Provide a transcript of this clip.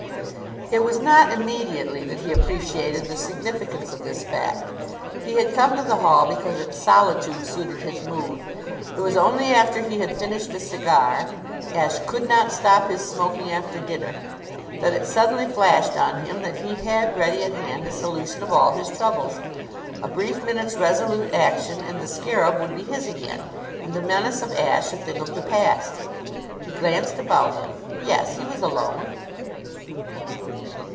It was not immediately that he appreciated the significance of this fact. He had come to the hall because its solitude suited his mood. It was only after he had finished a cigar Ashe could not stop his smoking after dinner that it suddenly flashed on him that he had ready at hand a solution of all his troubles. A brief minute's resolute action and the scarab would be his again, and the menace of Ashe a thing of the past. He glanced about him. Yes; he was alone.